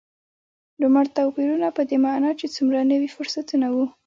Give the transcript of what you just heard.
لومړ توپیرونه په دې معنا چې څومره نوي فرصتونه و.